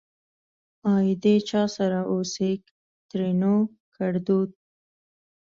آئيدې چا سره اوسيږ؛ ترينو ګړدود